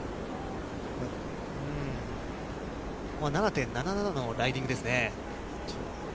ここは７．７７のライディングですね。